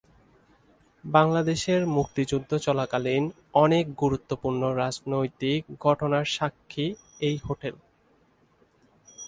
বাংলাদেশের মুক্তিযুদ্ধ চলাকালীন অনেক গুরুত্বপূর্ণ রাজনৈতিক ঘটনার সাক্ষী এই হোটেল।